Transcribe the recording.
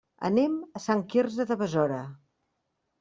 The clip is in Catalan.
Anem a Sant Quirze de Besora.